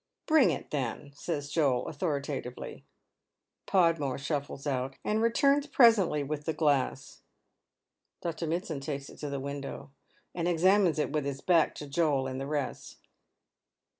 " Bring it then," says Joel, authoritatively. Podraore shuffles out, and returns presently with the glass. Dr. Mitsand takes it to the window, and examines it with Iub back to Joel and the rest.